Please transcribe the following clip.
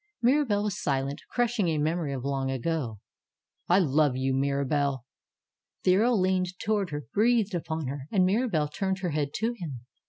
Mirabelle was silent, crushing a memory of Long Ago. "I love you, Mirabelle !" The earl leaned toward her, breathed upon her, and Mirabelle turned her head to him.